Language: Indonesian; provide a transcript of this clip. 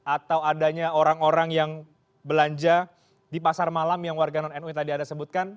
atau adanya orang orang yang belanja di pasar malam yang warga non nu yang tadi anda sebutkan